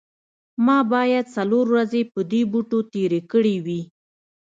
ما باید څلور ورځې په دې بوټو تیرې کړې وي